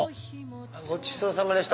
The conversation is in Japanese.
ごちそうさまでした。